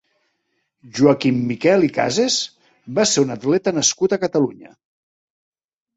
Joaquim Miquel i Casas va ser un atleta nascut a Catalunya.